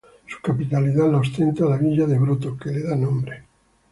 Su capitalidad la ostenta la villa de Broto, que le da nombre.